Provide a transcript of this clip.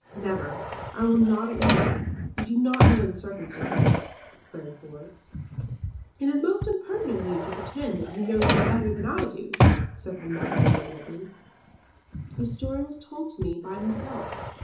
"Never! I will not admit it. You do not know the circumstances," exclaimed Florence. "It is most impertinent in you to pretend that you know them better than I do," said her mother, indignantly. "The story was told to me by himself."